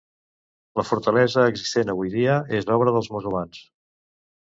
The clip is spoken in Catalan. La fortalesa existent avui dia és obra dels musulmans.